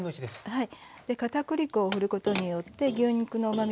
はい。